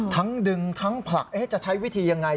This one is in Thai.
ดึงทั้งผลักจะใช้วิธียังไง